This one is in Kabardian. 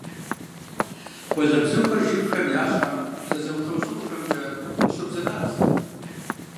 Къуалэбзухэр жыгхэм я щхьэм бзэ зэмылӀэужьыгъуэхэмкӀэ къыщобзэрабзэ.